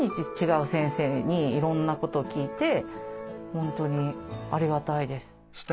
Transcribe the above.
本当にありがたいです。